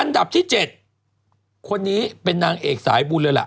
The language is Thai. อันดับที่๗คนนี้เป็นนางเอกสายบุญเลยล่ะ